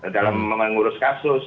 dalam mengurus kasus